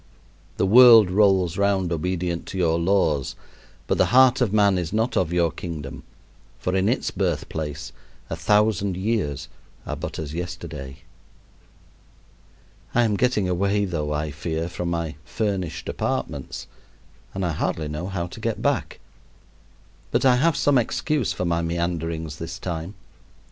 The world rolls round obedient to your laws, but the heart of man is not of your kingdom, for in its birthplace "a thousand years are but as yesterday." I am getting away, though, I fear, from my "furnished apartments," and I hardly know how to get back. But I have some excuse for my meanderings this time.